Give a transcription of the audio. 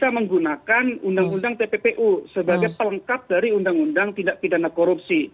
maka kepentingan itu dikenakan undang undang tppu sebagai pelengkap dari undang undang tindak pidana korupsi